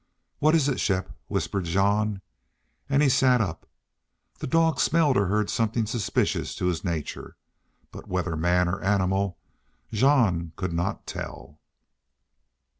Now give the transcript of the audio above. "What is it, Shepp?" whispered Jean, and he sat up. The dog smelled or heard something suspicious to his nature, but whether man or animal Jean could not tell.